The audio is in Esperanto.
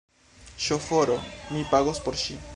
Ŝoforo! Mi pagos por ŝi